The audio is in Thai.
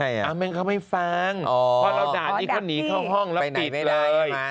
ทำไมอ่ะมันเขาไม่ฟังเพราะเราด่านี้เขาหนีเข้าห้องแล้วปิดเลย